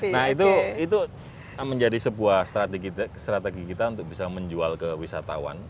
nah itu menjadi sebuah strategi kita untuk bisa menjual ke wisatawan